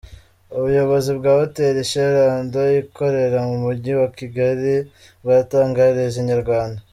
Ubuyobozi bwa Hotel Chez Lando ikorera mu mujyi wa Kigali bwatangarije Inyarwanda.